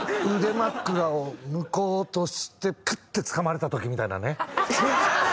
腕枕を抜こうとしてクッてつかまれた時みたいなね。